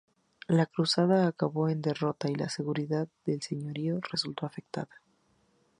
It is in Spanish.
La cruzada acabó en derrota y la seguridad del señorío resultó afectada.